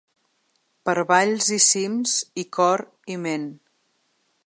Per valls i cims i cor i ment.